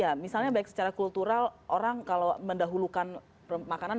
ya misalnya baik secara kultural orang kalau mendahulukan makanan